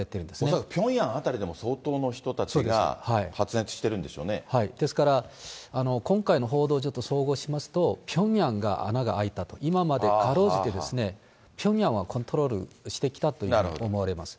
恐らくピョンヤン辺りでも相当の人たちですから、今回の報道をちょっと総合しますと、ピョンヤンが穴が開いたと、今までかろうじてピョンヤンはコントロールしてきたと思われます。